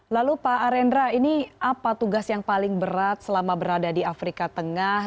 lalu pak arendra ini apa tugas yang paling berat selama berada di afrika tengah